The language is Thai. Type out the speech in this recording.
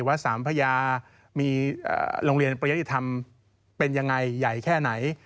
สามพญามีโรงเรียนประยุติธรรมเป็นยังไงใหญ่แค่ไหน